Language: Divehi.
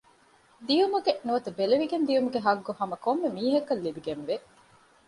ދިޔުމުގެ ނުވަތަ ބެލެވިގެން ދިޔުމުގެ ޙައްޤު ހަމަކޮންމެ މީހަކަށް ލިބިގެންވޭ